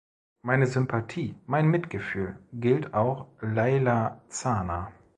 Meine Sympathie, mein Mitgefühl gilt auch Leyla Zana.